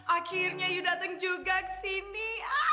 akhirnya you dateng juga ke sini